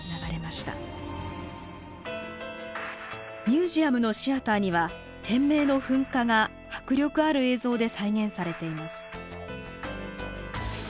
ミュージアムのシアターには天明の噴火が迫力ある映像で再現されています。